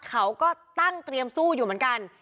เขาก็ตั้งเตรียมสู้อยู่เหมือนกัน